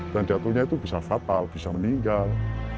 dan jatuhnya itu bisa fatal bisa meninggal